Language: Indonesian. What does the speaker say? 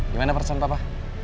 gimana persen papa